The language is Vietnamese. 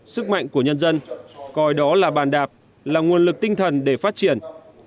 sức mạnh của nhân dân coi đó là bàn đạp là nguồn lực tinh thần để phát triển